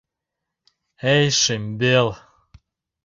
Эй, шӱмбел